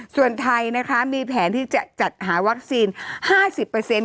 ส่วนไทยมีแผนที่จะจัดหาวัคซีน